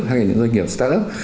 hay là những doanh nghiệp start up